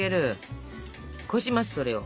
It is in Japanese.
こしますそれを。